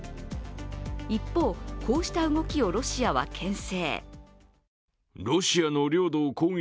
一方、こうした動きをロシアはけん制。